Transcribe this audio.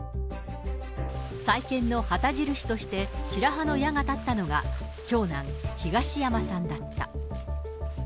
再建の旗印として、白羽の矢が立ったのが、長男、東山さんだった。